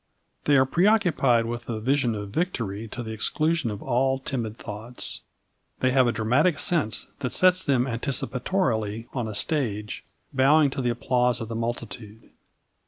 They are preoccupied with the vision of victory to the exclusion of all timid thoughts. They have a dramatic sense that sets them anticipatorily on a stage, bowing to the applause of the multitude.